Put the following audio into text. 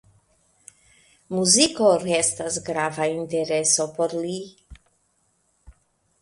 Muziko restas grava intereso por li.